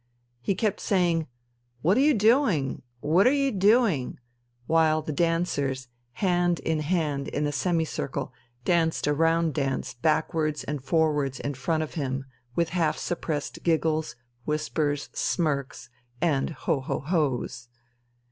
He kept saying, "What are you doing? What are you doing ...?" while the dancers, hand in hand in a semicircle, danced a round dance backwards and forwards in front of him with half suppressed giggles, whispers, smirks, and ho, ho, ho's.